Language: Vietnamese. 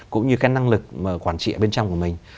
cũng như cái năng lực quản trị ở bên trong của mình